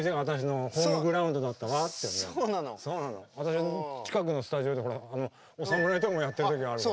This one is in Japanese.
私近くのスタジオでお侍とかもやってる時あるから。